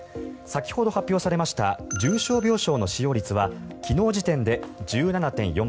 先ほど発表されました重症病床の使用率は昨日時点で１７．４％。